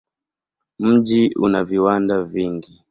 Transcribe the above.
Mji una viwanda vingi.